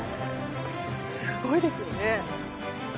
すごいですね。